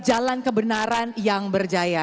jalan kebenaran yang berjaya